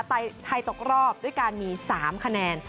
เป็นใครตกรอบด้วยการมี๓คะแนน